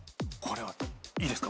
いいですか？